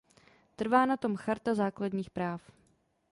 Trvá na tom Charta základních práv.